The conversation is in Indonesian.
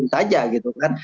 ini saja gitu kan